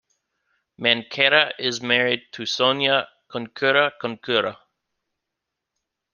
Mancera is married to Sonia Corcuera Corcuera.